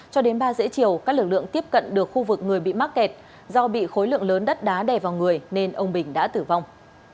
cho đến ba h ba chiều các lực lượng tiếp cận được khu vực người bị mắc kẹt do bị khối lượng lớn đất đá đè vào người nên ông bình đã tử vong